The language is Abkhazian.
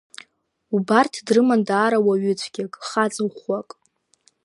Убарҭ дрыман даара уаҩы цәгьак, хаҵа ӷәӷәак.